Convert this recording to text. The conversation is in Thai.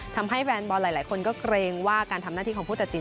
ทำให้แฟนบอลหลายคนก็เกรงว่าการทำหน้าที่ของผู้ตัดสิน